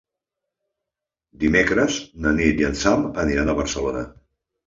Dimecres na Nit i en Sam aniran a Barcelona.